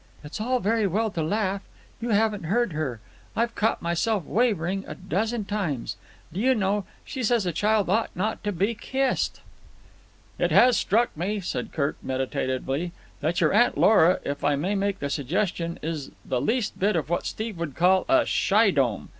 "It's all very well to laugh. You haven't heard her. I've caught myself wavering a dozen times. Do you know, she says a child ought not to be kissed?" "It has struck me," said Kirk meditatively, "that your Aunt Lora, if I may make the suggestion, is the least bit of what Steve would call a shy dome.